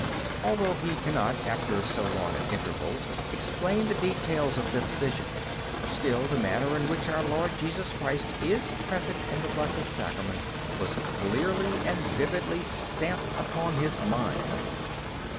Although he cannot, after so long an interval, explain the details of this vision, still the manner in which Our Lord Jesus Christ is present in the Blessed Sacrament was clearly and vividly stamped upon his mind.